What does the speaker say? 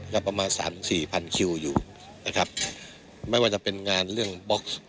ก็ประมาณสามถึงสี่พันคิวอยู่นะครับไม่ว่าจะเป็นงานเรื่องบ็อกซ์